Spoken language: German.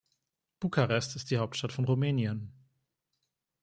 Bukarest ist die Hauptstadt von Rumänien.